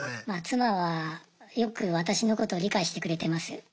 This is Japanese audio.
まぁ妻はよく私のことを理解してくれてます。